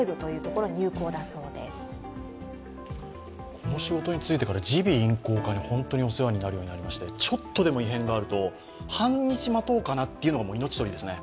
この仕事についてから、耳鼻咽喉科に本当にお世話になるようになりまして、ちょっとでも異変がありますと半日待とうかなっていうのも命取りですね。